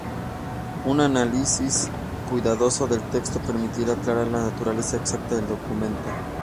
Un análisis cuidadoso del texto permitirá aclarar la naturaleza exacta del documento.